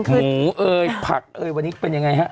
หมูเอ่ยผักเอยวันนี้เป็นยังไงฮะ